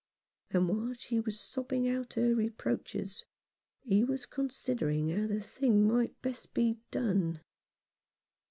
And while she was sobbing out her reproaches, he was considering how the thing might best be done.